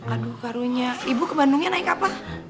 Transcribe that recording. aduh karunya ibu ke bandungnya naik apa